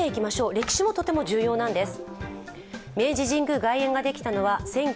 歴史もとても重要なんです。